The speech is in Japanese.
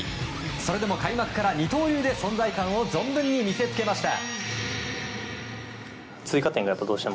それでも、開幕から二刀流で存在感を存分に見せつけました。